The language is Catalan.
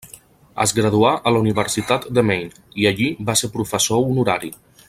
Es graduà a la Universitat de Maine, i allí va ser professor honorari.